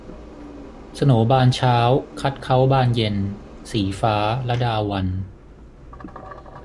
โสนบานเช้าคัดเค้าบานเย็น - ศรีฟ้า ลดาวัลย์